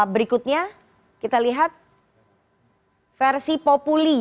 berikutnya kita lihat versi populi